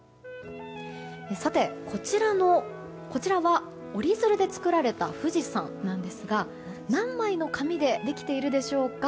さて、こちらは折り鶴で作られた富士山ですが何枚の紙でできているでしょうか。